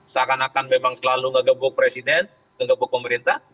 seakan akan memang selalu ngegembuk presiden ngegembuk pemerintah